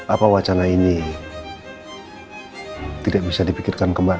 apa wacana ini tidak bisa dipikirkan kembali